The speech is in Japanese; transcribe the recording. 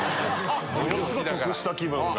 ものすごい得した気分が。